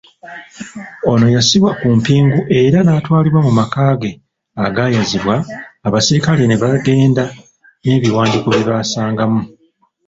Ono yassibwa ku mpingu era n'atwalibwa mu maka ge agaayazibwa, abasirikale ne bagenda n'ebiwandiiko bye baasangamu.